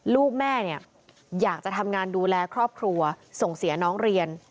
ลูกแม่เนี่ยอยากจะทำงานดูแลครอบครัวส่งเสียน้องเรียน